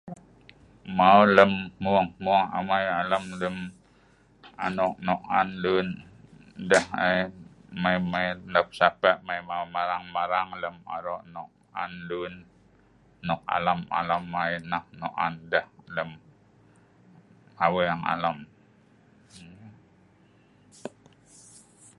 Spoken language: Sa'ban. mau lem hmung hmung amei alam lem anok nok on lun deh ai mei mei hnep sape mei marang marang lem arok nok on lun nok alam alam ai nah nok on deh lem aweng alam